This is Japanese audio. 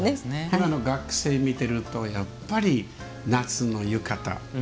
今の学生を見てるとやっぱり、夏の浴衣。